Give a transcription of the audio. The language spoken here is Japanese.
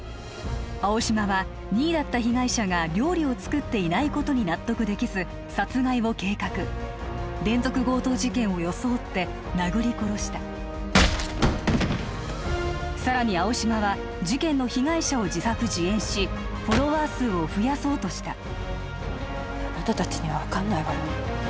青嶌は２位だった被害者が料理を作っていないことに納得できず殺害を計画連続強盗事件を装って殴り殺したさらに青嶌は事件の被害者を自作自演しフォロワー数を増やそうとしたあなた達には分かんないわよ